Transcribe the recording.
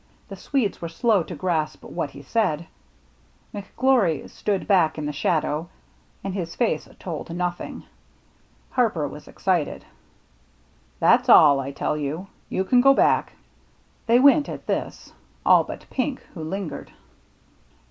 The Swedes were slow to grasp what was said. McGlory stood back in the shadow, and his face told nothing. Harper was excited. " That's all, I tell you. You can go back." They went at this — all but Pink, who lingered.